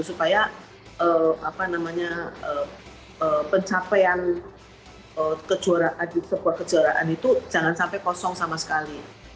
supaya pencapaian sebuah kejuaraan itu jangan sampai kosong sama sekali